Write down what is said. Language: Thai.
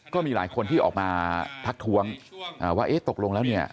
ก็มีหลายคนที่ออกมาทักท้วงว่าเอ๊ะตกลงแล้วเนี่ย